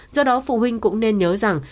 do đó phụ huynh cũng nên nhớ rằng